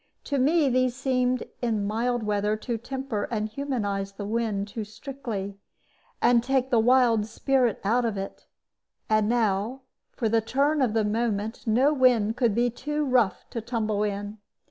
To me these seemed in mild weather to temper and humanize the wind too strictly, and take the wild spirit out of it; and now, for the turn of the moment, no wind could be too rough to tumble in.